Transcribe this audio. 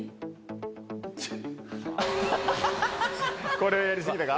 これはやりすぎたか。